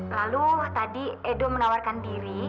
lalu tadi edo menawarkan diri